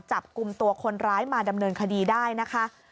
จับกลุ่มตัวคนร้ายมาดำเนินคดีได้นะคะ